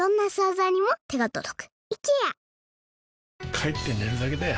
帰って寝るだけだよ